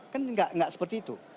kan tidak seperti itu